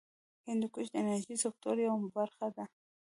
هندوکش د انرژۍ سکتور یوه برخه ده.